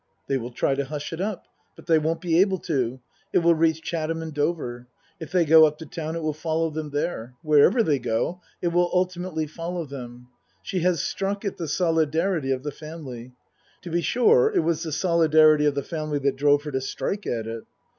They will try to hush it up, but they won't be able to ; it will reach Chatham and Dover. If they go up to town it will follow them there. Wherever they go it will ulti mately follow them. She has struck at the solidarity of the family. To be sure, it was the solidarity of the family that drove her to strike at it.